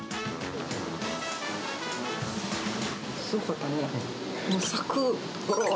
すごかったね。